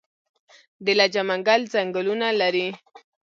د لجه منګل ځنګلونه لري